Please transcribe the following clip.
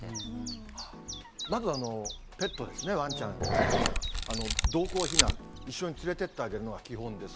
まず、ペットですね、わんちゃん、猫ちゃん、同行避難、一緒に連れてってあげるのが基本です。